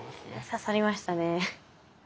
刺さりましたね。